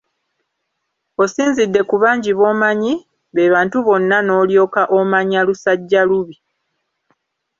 Osinzidde ku bangi b'omanyi be bantu bonna n'olyoka omanya Lusajjalubi.